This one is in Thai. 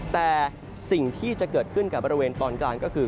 แต่สิ่งที่จะเกิดขึ้นกับบริเวณตอนกลางก็คือ